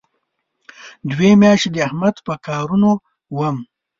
دوې میاشتې د احمد په کارونو وم.